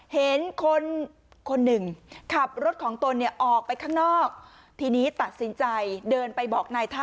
เห็นคนคนหนึ่งขับรถของตนเนี่ยออกไปข้างนอกทีนี้ตัดสินใจเดินไปบอกนายท่า